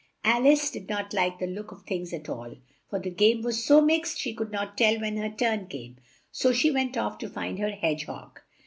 Al ice did not like the look of things at all, for the game was so mixed she could not tell when her turn came; so she went off to find her hedge hog.